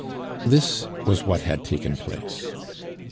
This was what had taken place.